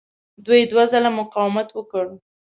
دوی دوه ځله مقاومت وکړ.